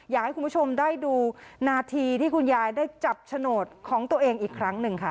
อยากให้คุณผู้ชมได้ดูนาทีที่คุณยายได้จับโฉนดของตัวเองอีกครั้งหนึ่งค่ะ